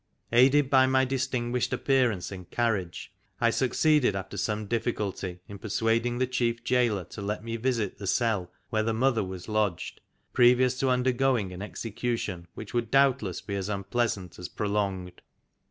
Aided by my distinguished appearance and carriage, I succeeded after some difficulty in persuading the Chief Gaoler to let me visit the cell where the mother was lodged, previous to undergoing an execution which would doubtless be as unpleasant as prolonged.